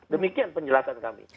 demikian penjelasan kami